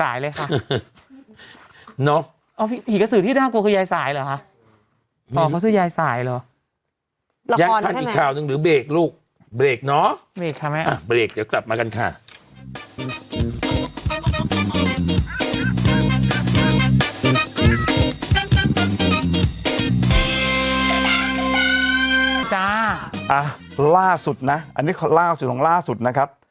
อันนี้ล่าสุดของล่าสุดนะครับ